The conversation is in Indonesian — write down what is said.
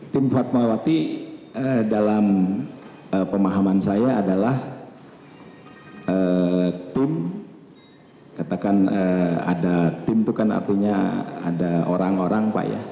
tim fatmawati dalam pemahaman saya adalah tim katakan ada tim itu kan artinya ada orang orang pak ya